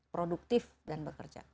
produktif dan bekerja